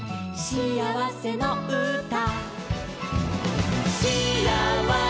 「しあわせのうた」